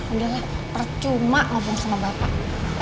udah lah percuma ngomong sama bapak